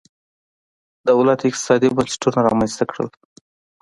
دولت اقتصادي بنسټونه رامنځته کړل.